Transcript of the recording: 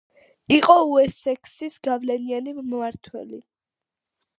იყო უესექსის გავლენიანი მმართველი.